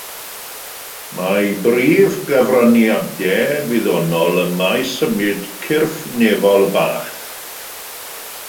Mae ei brif gyfraniadau gwyddonol ym maes symud cyrff nefol bach.